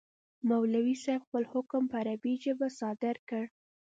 مولوي صاحب خپل حکم په عربي ژبه صادر کړ.